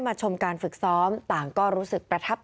ในเวลาเดิมคือ๑๕นาทีครับ